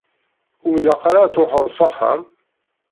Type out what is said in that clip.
Ur m-ilaq ara ad truḥeḍ s axxam?